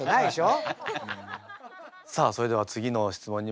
さあそれでは次の質問にまいりましょう。